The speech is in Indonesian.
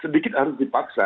sedikit harus dipaksa